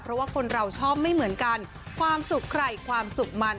เพราะว่าคนเราชอบไม่เหมือนกันความสุขใครความสุขมัน